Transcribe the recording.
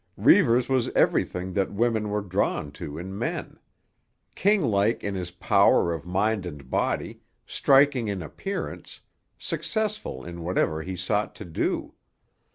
Reivers was everything that women were drawn to in men—kinglike in his power of mind and body, striking in appearance, successful in whatever he sought to do.